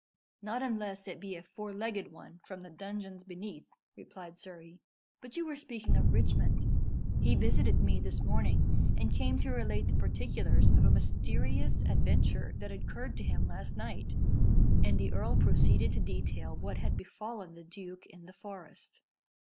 "Not unless it be a four legged one from the dungeons beneath," replied Surrey. "But you were speaking of Richmond. He visited me this morning, and came to relate the particulars of a mysterious adventure that occurred to him last night." And the earl proceeded to detail what had befallen the duke in the forest.